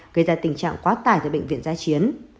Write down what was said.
gây ra tình trạng quá tải cho bệnh viện giã chiến